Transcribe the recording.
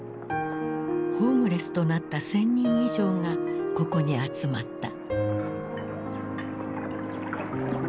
ホームレスとなった１，０００人以上がここに集まった。